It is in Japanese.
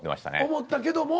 思ったけども。